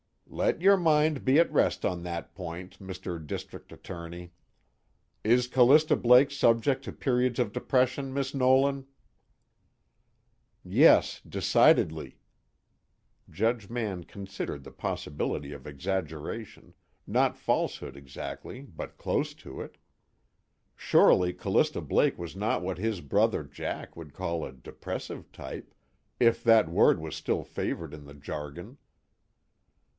"Let your mind be at rest on that point, Mr. District Attorney. Is Callista Blake subject to periods of depression, Miss Nolan?" "Yes, decidedly." Judge Mann considered the possibility of exaggeration, not falsehood exactly but close to it. Surely Callista Blake was not what his brother Jack would call a depressive type, if that word was still favored in the jargon.